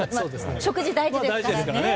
食事は大事ですからね。